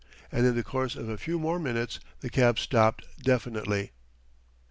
And in the course of a few more minutes the cab stopped definitely.